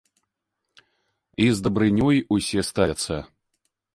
І з дабрынёй усе ставяцца.